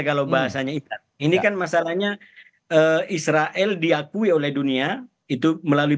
kalau bahasanya ikan ini kan masalahnya israel diakui oleh dunia itu melalui